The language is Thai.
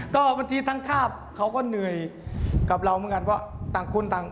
ก็บางทีทางข้าวเขาก็เหนื่อยกับเราเหมือนกัน